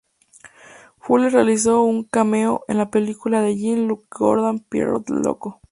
Fuller realizó un cameo en la película de Jean-Luc Godard "Pierrot el loco".